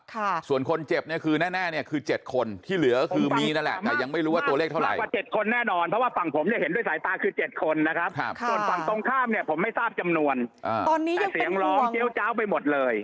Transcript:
แต่เสียงร้องเจ้าไปหมดเลย